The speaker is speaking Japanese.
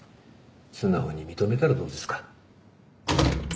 素直に認めたらどうですか？